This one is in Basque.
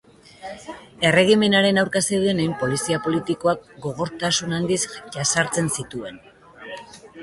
Erregimenaren aurka zeudenei polizia politikoak gogortasun handiz jazartzen zituen.